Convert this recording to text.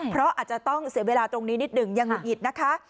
เพราะอาจจะต้องเสียเวลาตรงนี้นิดหนึ่งยังหุดหงิดนะคะ